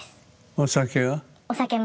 お酒は？